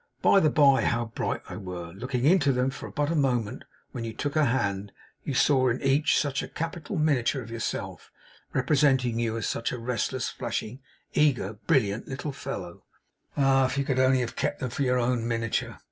By the bye, how bright they were! Looking into them for but a moment, when you took her hand, you saw, in each, such a capital miniature of yourself, representing you as such a restless, flashing, eager, brilliant little fellow Ah! if you could only have kept them for your own miniature!